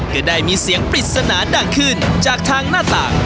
ก็ได้มีเสียงปริศนาดังขึ้นจากทางหน้าต่าง